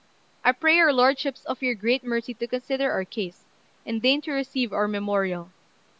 I pray your lordships of your great mercy to consider our case" and deign to receive our memorial.